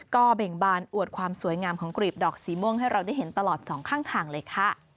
ก็เบ่งบานอวดความสวยงามของกรีบดอกสีม่วงให้เราได้เห็นตลอดสองข้างทางเลยค่ะ